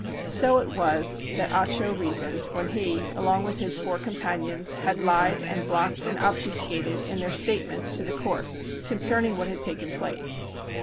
So it was that Ah Cho reasoned, when he, along with his four companions, had lied and blocked and obfuscated in their statements to the court concerning what had taken place.